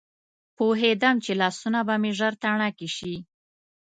پوهېدم چې لاسونه به مې ژر تڼاکي شي.